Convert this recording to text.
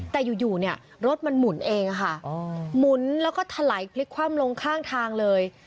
แต่อยู่เนี่ยรถมันหมุนเองค่ะหมุนแล้วก็ถลายพลิกคว่ำลงข้างทางเลย